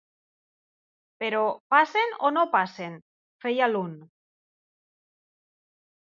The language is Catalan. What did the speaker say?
-Però, passen o no passen?- feia l'un.